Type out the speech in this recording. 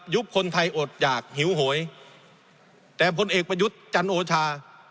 คนไทยอดอยากหิวโหยแต่พลเอกประยุทธ์จันโอชา